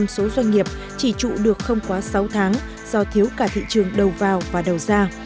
chín mươi số doanh nghiệp chỉ trụ được không quá sáu tháng do thiếu cả thị trường đầu vào và đầu ra